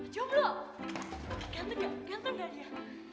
jomblok ganteng gak ganteng gak dia